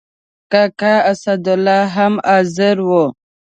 کاکا اسدالله هم حاضر و.